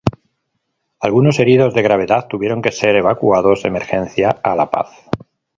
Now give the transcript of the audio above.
Algunos heridos de gravedad tuvieron que ser evacuados de emergencia a La Paz.